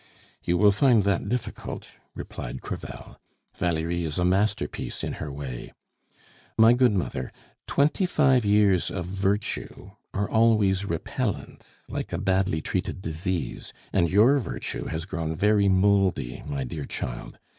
"You will find that difficult," replied Crevel. "Valerie is a masterpiece in her way. My good mother, twenty five years of virtue are always repellent, like a badly treated disease. And your virtue has grown very mouldy, my dear child.